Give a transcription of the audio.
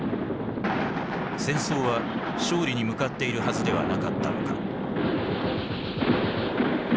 戦争は勝利に向かっているはずではなかったのか。